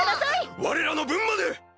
われらの分まで！